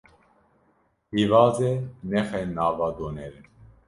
Pîvazê nexe nava donerê.